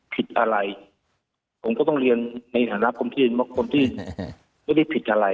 ผมก็ต้องเรียนในฐานะกรมที่ดินเพราะกรมที่ดินไม่ได้ผิดอะไร